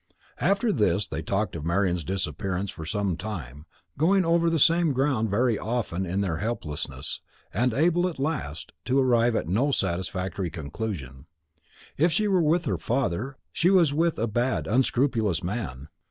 After this they talked of Marian's disappearance for some time, going over the same ground very often in their helplessness, and able, at last, to arrive at no satisfactory conclusion. If she were with her father, she was with a bad, unscrupulous man.